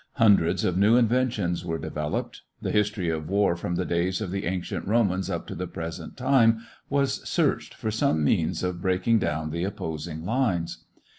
Hundreds of new inventions were developed. The history of war from the days of the ancient Romans up to the present time was searched for some means of breaking down the opposing lines.